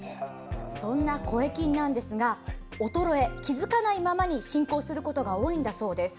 そんな声筋なんですが衰え、気付かないままに進行することが多いんだそうです。